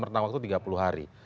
rentang waktu tiga puluh hari